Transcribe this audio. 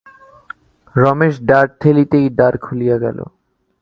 রমেশ দ্বার ঠেলিতেই দ্বার খুলিয়া গেল।